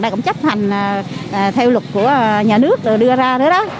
cũng chấp hành theo luật của nhà nước đưa ra nữa đó